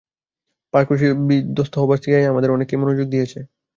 Park বিদ্ধস্ত হবার পর সিআইএ আমাদের অনেককেই নিয়োগ দিয়েছে।